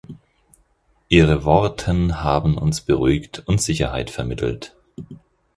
Ihre Worten haben uns beruhigt und Sicherheit vermittelt.